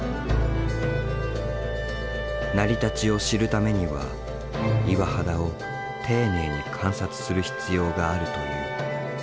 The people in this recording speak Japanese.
成り立ちを知るためには岩肌を丁寧に観察する必要があるという。